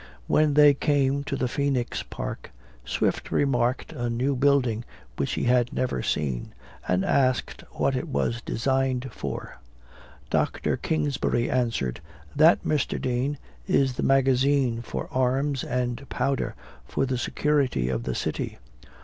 When they came to the Phoenix park, Swift remarked a new building which he had never seen, and asked what it was designed for? Dr. Kingsbury answered, "That, Mr. Dean, is the magazine for arms and powder, for the security of the city."